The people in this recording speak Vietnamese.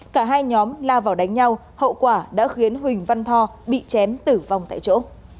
cả hai nhóm lao vào đánh nhau hậu quả đã khiến huỳnh văn tho bị chém tử vong tại chỗ